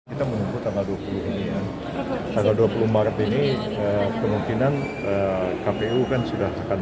kita menunggu tanggal dua puluh ini ya tanggal dua puluh maret ini kemungkinan kpu kan sudah akan